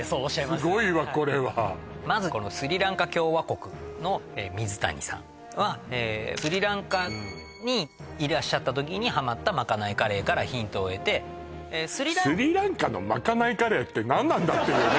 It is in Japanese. すごいわこれはまずこのスリランカ狂我国の水谷さんはスリランカにいらっしゃった時にハマったまかないカレーからヒントを得てスリランカのまかないカレーって何なんだっていうね